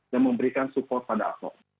memberikan support pada ahok